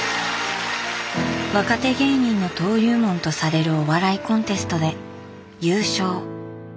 「若手芸人の登竜門」とされるお笑いコンテストで優勝。